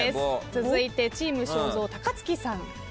続いてチーム正蔵高月さん。